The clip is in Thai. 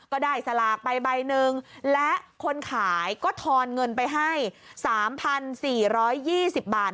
ก็ได้สลากไปใบหนึ่งและคนขายก็ทอนเงินไปให้สามพันสี่ร้อยยี่สิบบาท